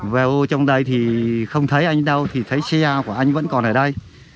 vo trong đây thì không thấy anh đâu thì thấy xe của anh vẫn còn ở đây